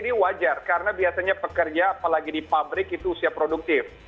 ini wajar karena biasanya pekerja apalagi di pabrik itu usia produktif